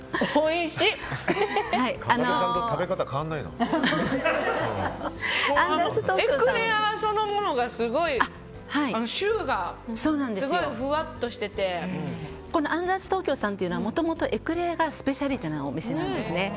エクレアはそのものがすごいシューがすごいアンダース東京さんというのはもともとエクレアがスペシャリテなお店なんですね。